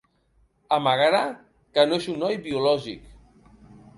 Amagarà que no és un noi biològic.